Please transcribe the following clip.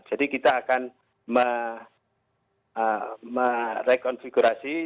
jadi kita akan merekonfigurasi